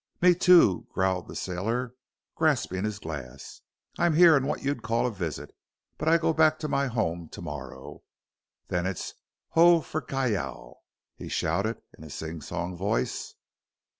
"Me, too," growled the sailor, grasping his glass. "I'm here on what you'd call a visit, but I go back to my home to morrow. Then it's ho for Callao," he shouted in a sing song voice.